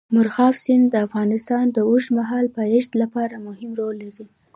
مورغاب سیند د افغانستان د اوږدمهاله پایښت لپاره مهم رول لري.